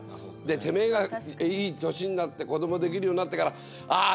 てめえがいい年になって子どもができるようになってからああ